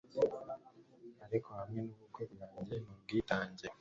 ariko hamwe nubukwe bwanjye nubwitange